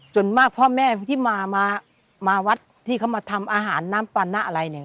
ส่วนมากพ่อแม่ที่มามาวัดที่เขามาทำอาหารน้ำปันนะอะไรเนี่ย